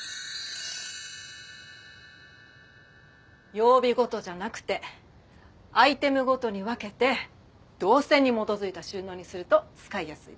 曜日ごとじゃなくてアイテムごとに分けて動線に基づいた収納にすると使いやすいです。